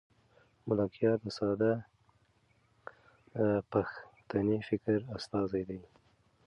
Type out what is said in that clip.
ملکیار د ساده پښتني فکر استازی دی.